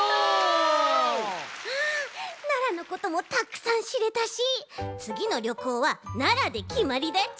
奈良のこともたくさんしれたしつぎのりょこうは奈良できまりだち！